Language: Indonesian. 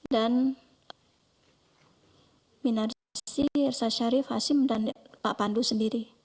dan minarsi elsa sharif hashim dan pak pandu sendiri